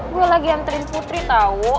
gue lagi anterin putri tahu